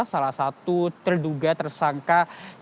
salah satu terduga tersangka